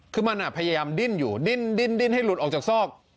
คือมันพยายามดิ้นอยู่ดิ้นให้หลุดออกจากซอก